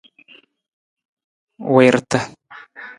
Wiirata.